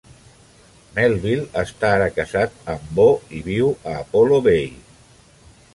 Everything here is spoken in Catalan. Melville està ara casat amb Bo, i viu a Apollo Bay.